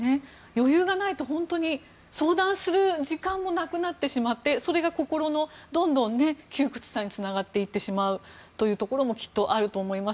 余裕がないと相談する時間もなくなってしまってそれが心の窮屈さにつながっていってしまうところもきっとあると思います。